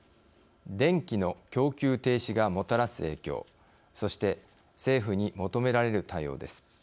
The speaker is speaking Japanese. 電気の供給停止がもたらす影響そして政府に求められる対応です。